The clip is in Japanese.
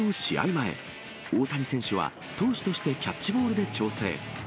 前、大谷選手は投手としてキャッチボールで調整。